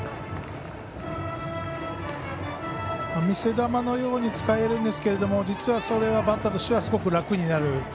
見せ球のように使えるんですけど実は、それはバッターとしてはすごく楽になる。